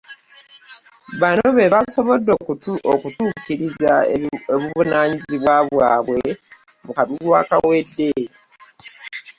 Bano be baasobodde okutuukiriza obuvunaanyizibwa bwabwe mu kalulu akawedde.